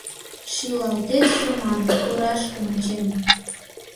Шӱлалтет шыман, тораш ончен.